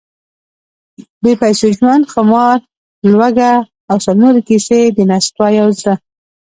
بې پیسو ژوند، خمار، لوږه… او سل نورې کیسې، د نستوه یو زړهٔ: